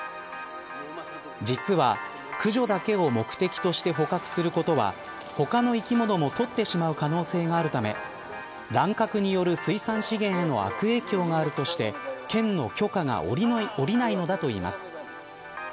実は、駆除だけを目的として捕獲することは他の生き物も取ってしまう可能性があるため乱獲による水産資源への悪影響があるとして県の許可が下りないのだといいます。